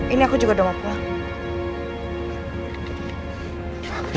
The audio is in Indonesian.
ini aku juga udah ngapain